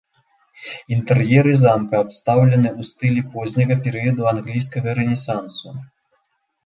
Інтэр'еры замка абстаўлены ў стылі позняга перыяду англійскага рэнесансу.